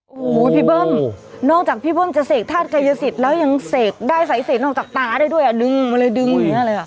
โอ้โหพี่เบิ้มนอกจากพี่เบิ้มจะเสกธาตุกายสิทธิ์แล้วยังเสกได้สายเสนออกจากตาได้ด้วยอ่ะดึงมาเลยดึงอย่างเงี้เลยอ่ะ